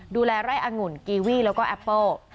ไร่อังุ่นกีวี่แล้วก็แอปเปิ้ล